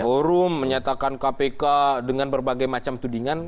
forum menyatakan kpk dengan berbagai macam tudingan